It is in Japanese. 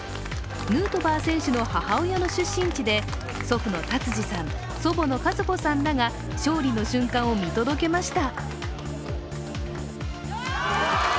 ヌートバー選手の母親の出身地で祖父の達治さん、祖母の和子さんらが勝利の瞬間を見届けました。